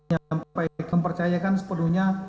yang mempercayakan sepenuhnya